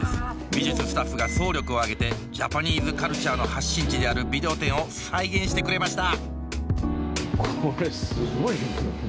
美術スタッフが総力を挙げてジャパニーズカルチャーの発信地であるビデオ店を再現してくれました